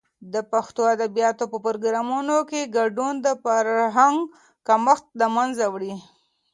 د پښتو ادبیاتو په پروګرامونو کې ګډون، د فرهنګ کمښت د منځه وړي.